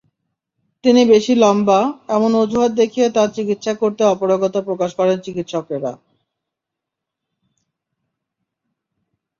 তিনি বেশি লম্বা—এমন অজুহাত দেখিয়ে তাঁর চিকিৎসা করতে অপারগতা প্রকাশ করেন চিকিৎসকেরা।